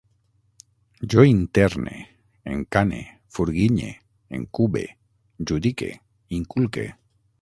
Jo interne, encane, furguinye, encube, judique, inculque